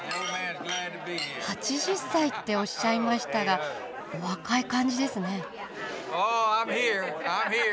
８０歳っておっしゃいましたがお若い感じですね。